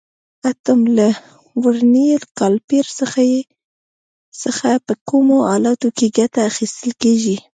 اتم: له ورنیر کالیپر څخه په کومو حالاتو کې ګټه اخیستل کېږي؟